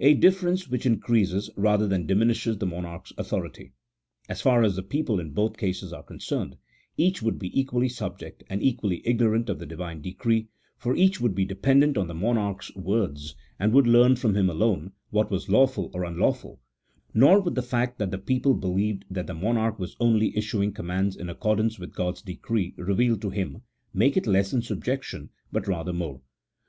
A difference which increases, rather than dimi nishes the monarch's authority. As far as the people in both cases are concerned, each would be equally subject, and equally ignorant of the Divine decree, for each would be dependent on the monarch's words, and would learn from him alone, what was lawful or unlawful : nor would the fact that the people believed that the monarch was only issuing commands in accordance with God's decree revealed to him, make it less in subjection, but rather more.